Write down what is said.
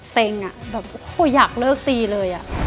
เซ็งอ่ะอยากเลิกตีเลยอ่ะ